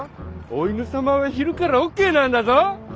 お犬様は昼からオッケーなんだぞ！